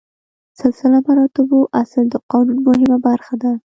سلسله مراتبو اصل د قانون مهمه برخه ده.